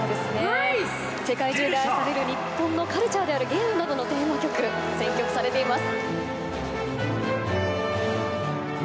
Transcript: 世界中が遊んだ日本のカルチャーであるゲームなどのテーマ曲選曲されています。